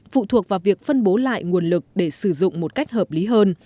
phụ thuộc vào việc phân bố lại nguồn lực để sử dụng một cách hợp lý hơn